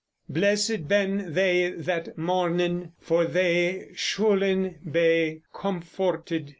Blessid ben thei that mornen, for thei schulen be coumfortid.